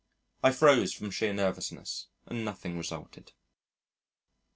I froze from sheer nervousness and nothing resulted.